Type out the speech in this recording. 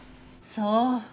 そう。